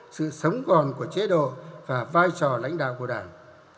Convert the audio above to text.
sự sống còn của chế độ và vai trò lãnh đạo của đảng